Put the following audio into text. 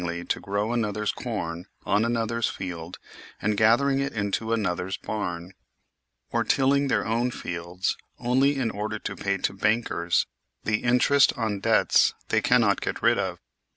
SLAVERY EXISTS AMONG US 67 another's corn on another's field, and gathering it into another's barn ; or tilling their own fields only in order to pay to bankers the interest on debts they cannot get rid of.